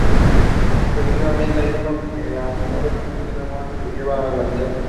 Efectivamente hay uno que, al no reconocer a Gargamel, lo lleva a la aldea.